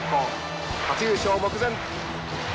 初優勝目前。